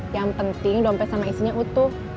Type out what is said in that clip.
yang penting dompet sama isinya utuh